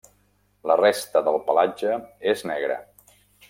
La resta del pelatge és negre.